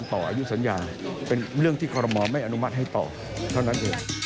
ต่ออายุสัญญาเป็นเรื่องที่คอรมอลไม่อนุมัติให้ต่อเท่านั้นเอง